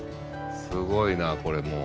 すごいなこれもう。